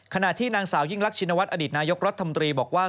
ขณะที่นางสาวยิ่งรักชินวัฒนอดีตนายกรัฐมนตรีบอกว่า